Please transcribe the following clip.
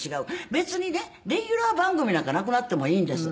別にねレギュラー番組なんかなくなってもいいんです」